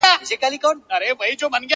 • په نیژدې لیري ښارو کي آزمېیلی,